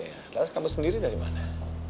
ari ya mas kamu sendiri dari mana